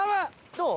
どう？